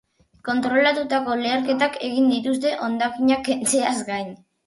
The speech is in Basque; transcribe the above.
Kontrolatutako leherketak egin dituzte, hondakinak kentzeaz gain.